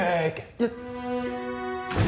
いや。